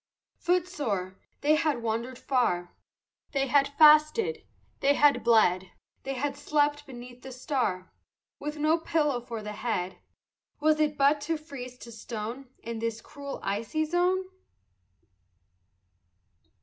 Footsore, they had wandered far, They had fasted, they had bled; They had slept beneath the star With no pillow for the head; Was it but to freeze to stone In this cruel icy zone?